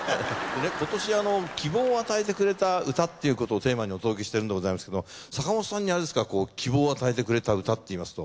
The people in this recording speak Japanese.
今年希望を与えてくれた歌っていうことをテーマにお届けしてるんでございますけども坂本さんに希望を与えてくれた歌っていいますと？